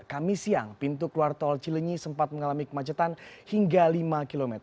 kami siang pintu keluar tol cilenyi sempat mengalami kemacetan hingga lima km